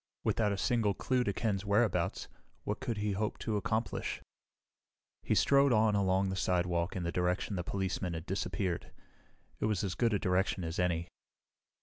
Without a single clue to Ken's whereabouts, what could he hope to accomplish? He strode on along the sidewalk in the direction the policeman had disappeared. It was as good a direction as any.